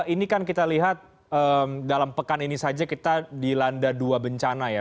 ini kan kita lihat dalam pekan ini saja kita dilanda dua bencana ya